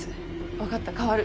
分かった代わる。